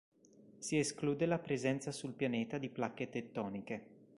Si esclude la presenza sul pianeta di placche tettoniche.